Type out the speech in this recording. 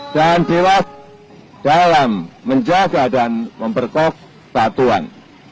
dan dewasa dalam menjaga dan memperkok tatuan